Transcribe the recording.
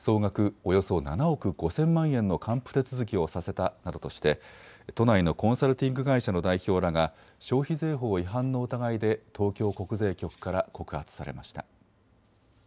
およそ７億５０００万円の還付手続きをさせたなどとして都内のコンサルティング会社の代表らが消費税法違反の疑いで東京国税局から告発されました。